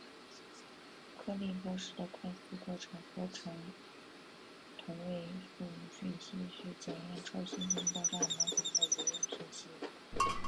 颗粒标示的快速过程核合成同位素讯息是检验超新星爆炸模型的有用讯息。